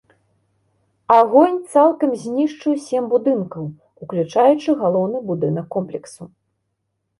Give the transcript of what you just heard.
Агонь цалкам знішчыў сем будынкаў, уключаючы галоўны будынак комплексу.